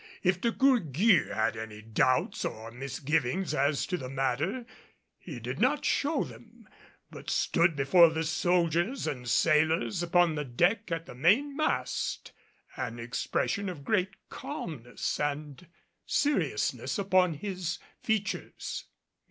If De Gourgues had any doubts or misgivings as to the matter, he did not show them, but stood before the soldiers and sailors upon the deck at the main mast, an expression of great calmness and seriousness upon his features.